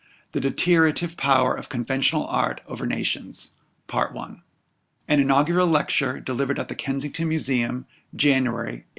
THE DETERIORATIVE POWER OF CONVENTIONAL ART OVER NATIONS. _An Inaugural Lecture, Delivered at the Kensington Museum, January, 1858.